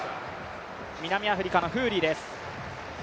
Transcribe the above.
南アフリカのフーリーです。